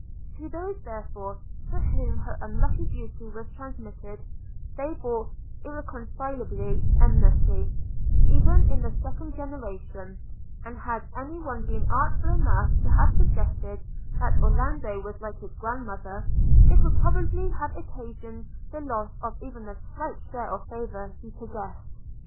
– To those therefore to whom her unlucky beauty was transmitted, they bore irreconcileable enmity, even in the second generation; and had any one been artful enough to have suggested that Orlando was like his grandmother, it would probably have occasioned the loss of even the slight share of favour he possessed.